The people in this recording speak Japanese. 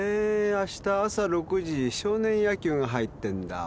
あした朝６時少年野球が入ってんだ。